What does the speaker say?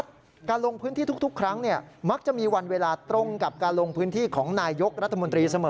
ทั้งมักจะมีวันเวลาตรงกับการลงพื้นที่ของนายยกรัฐมนตรีเสมอ